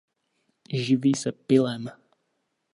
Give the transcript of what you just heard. Živí se pylem.